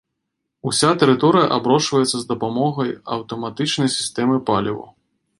Уся тэрыторыя аброшваецца з дапамогай аўтаматычнай сістэмы паліву.